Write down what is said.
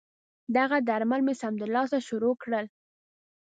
دغه درمل مې سمدلاسه شروع کړل.